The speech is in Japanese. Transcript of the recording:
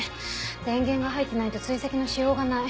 電源が入ってないと追跡のしようがない。